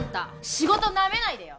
仕事なめないでよ。